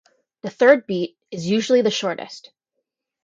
The third beat is usually the shortest.